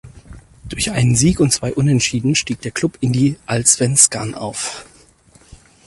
Durch einen Sieg und zwei Unentschieden stieg der Klub in die Allsvenskan auf.